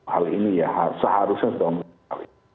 hal ini ya seharusnya sudah memberikan hal ini